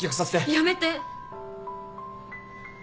やめて！